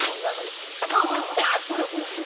ああああほらほらほら。